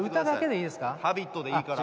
『Ｈａｂｉｔ』でいいから。